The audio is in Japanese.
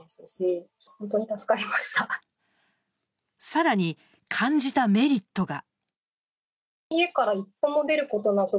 さらに感じたメリットが。